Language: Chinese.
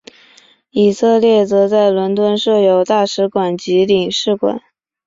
以色列则在伦敦设有大使馆及领事馆。